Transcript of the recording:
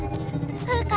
フウカ